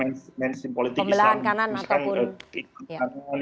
pembelahan kanan ataupun